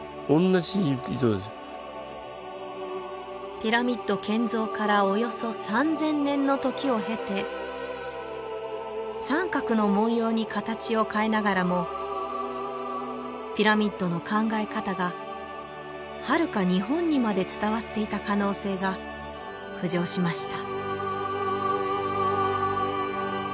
ピラミッド建造からおよそ３０００年の時を経て三角の文様に形を変えながらもピラミッドの考え方がはるか日本にまで伝わっていた可能性が浮上しました